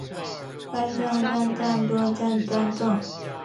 烘焙後的餅乾十分香脆